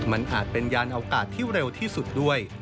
มันอาจเป็นยานโอกาสที่เร็วที่สุดด้วย